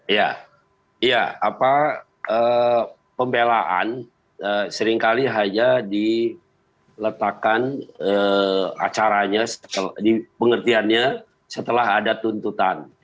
ya apa pembelaan seringkali hanya diletakkan acaranya pengertiannya setelah ada tuntutan